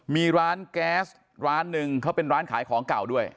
มีร้านแก๊สร้านหนึ่งเขาเป็นร้านขายของเก่าด้วย